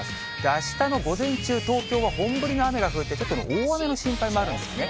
あしたの午前中、東京は本降りの雨が降って、ちょっと大雨の心配もあるんですね。